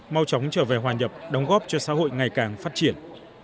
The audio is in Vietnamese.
mau chóng trở về hòa nhập đóng góp cho xã hội ngày càng phát triển